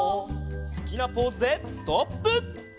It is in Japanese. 「好きなポーズでストップ！」